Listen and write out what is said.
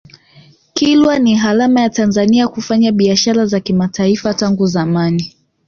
kilwa ni alama ya tanzania kufanya biashara za kimataifa tangu zamani